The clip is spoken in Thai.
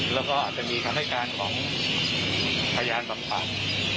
แล้วก็อาจจะมีคำให้การของพยานปาก